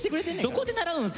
どこで習うん？